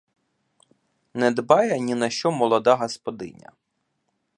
Не дбає ні на що молода господиня.